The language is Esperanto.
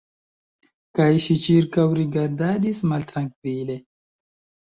Kaj ŝi ĉirkaŭrigardadis maltrankvile.